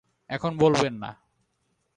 এখন বলবেন না।